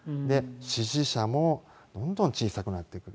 支持者もどんどん小さくなっていく。